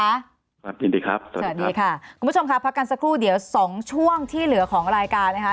สวัสดีครับสวัสดีค่ะคุณผู้ชมค่ะพักกันสักครู่เดี๋ยวสองช่วงที่เหลือของรายการนะคะ